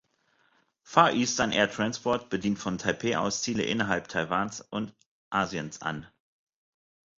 Far Eastern Air Transport bedient von Taipeh aus Ziele innerhalb Taiwans und Asiens an.